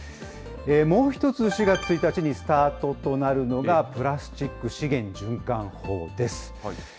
もう一つ、４月１日にスタートとなるのが、プラスチック資源循環法です。